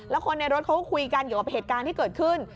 แล้วคนในรถเขาก็คุยกันเกี่ยวกับเหตุการณ์ที่เกิดขึ้น